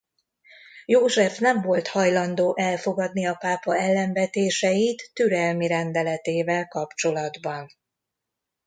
József nem volt hajlandó elfogadni a pápa ellenvetéseit türelmi rendeletével kapcsolatban.